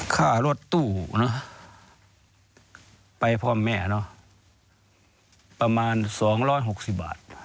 ค่ารถตู้นะไปพ่อแม่เนอะประมาณ๒๖๐บาท